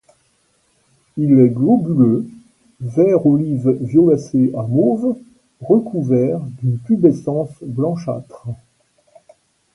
Il est globuleux, vert-olive-violacé à mauve, recouvert d'une pubescence blanchâtre.